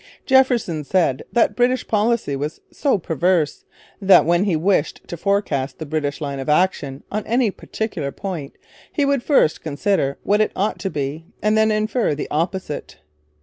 Jefferson said that British policy was so perverse, that when he wished to forecast the British line of action on any particular point he would first consider what it ought to be and then infer the opposite.